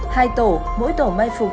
hai tổ mỗi tổ may phục